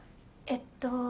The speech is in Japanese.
えっと。